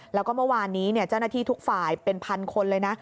แล้วก็เมื่อวานนี้เจ้าหน้าที่ทุกฝ่ายเป็นพันคนเลยนะ